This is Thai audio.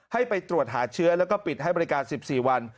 ให้ไปตรวจหาเชื้อแล้วก็ปิดให้บริการ๑๔วัน